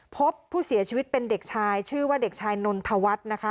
พบผู้เสียชีวิตเป็นเด็กชายชื่อว่าเด็กชายนนทวัฒน์นะคะ